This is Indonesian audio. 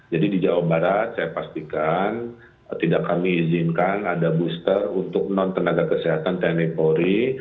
di jawa barat saya pastikan tidak kami izinkan ada booster untuk non tenaga kesehatan tni polri